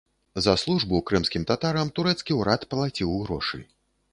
За службу крымскім татарам турэцкі ўрад плаціў грошы.